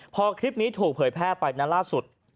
พอคลิปนี้ถูกเผยแพร่ไปนั้นล่าสุด